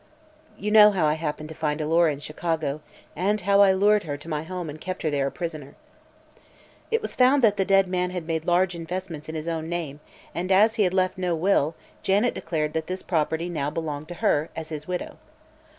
"You know how I happened to find Alora in Chicago and how I lured her to my home and kept her there a prisoner." It was found that the dead man had made large investments in his own name, and as he had left no will Janet declared that this property now belonged to her, as his widow.